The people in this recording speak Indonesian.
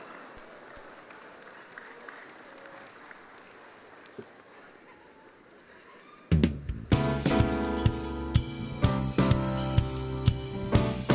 assalamu'alaikum warahmatullahi wabarakatuh